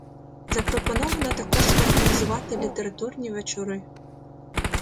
Запропоновано також організувати літературні вечори.